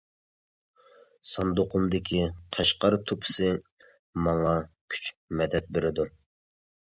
ساندۇقۇمدىكى قەشقەر توپىسى ماڭا كۈچ، مەدەت بېرىدۇ.